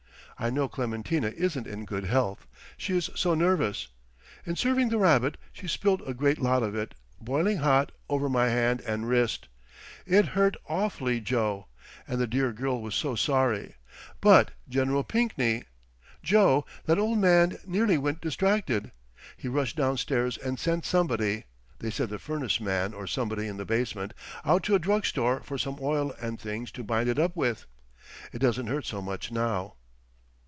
I know Clementina isn't in good health; she is so nervous. In serving the rabbit she spilled a great lot of it, boiling hot, over my hand and wrist. It hurt awfully, Joe. And the dear girl was so sorry! But Gen. Pinkney!—Joe, that old man nearly went distracted. He rushed downstairs and sent somebody—they said the furnace man or somebody in the basement—out to a drug store for some oil and things to bind it up with. It doesn't hurt so much now."